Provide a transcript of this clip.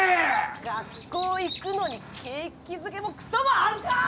学校行くのに景気づけもクソもあるかぁ！